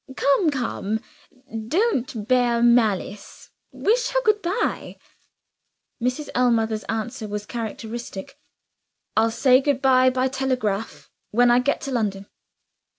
Come! come! don't bear malice wish her good by." Mrs. Ellmother's answer was characteristic. "I'll say good by by telegraph, when I get to London."